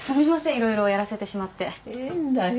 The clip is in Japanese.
いろいろやらせてしまっていいんだよ